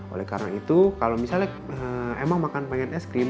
oleh karena itu kalau misalnya emang makan pengen es krim